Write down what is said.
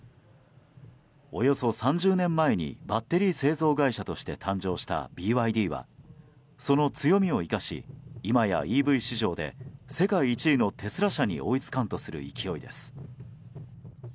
およそ３０年前にバッテリー製造会社として誕生したＢＹＤはその強みを生かし今やＥＶ市場で世界１位のテスラ社に追いつかんとする勢いです。